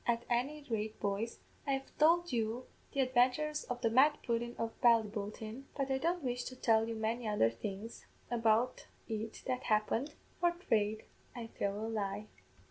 At any rate, boys, I have tould you the adventures of the Mad Pudden of Ballyboulteen; but I don't wish to tell you many other things about it that happened for fraid I'd tell a lie."